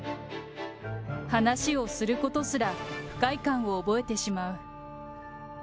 話をすることすら不快感を覚えてしまう。